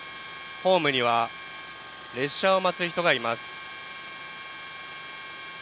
ホームには列車を待つ人がいます。